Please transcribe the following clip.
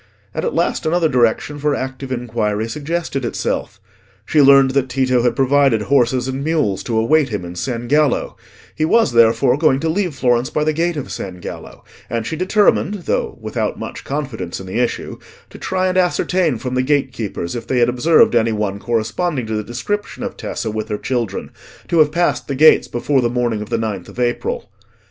And at last another direction for active inquiry suggested itself. She learned that Tito had provided horses and mules to await him in San Gallo; he was therefore going to leave Florence by the gate of San Gallo, and she determined, though without much confidence in the issue, to try and ascertain from the gatekeepers if they had observed any one corresponding to the description of Tessa with her children, to have passed the gates before the morning of the ninth of April.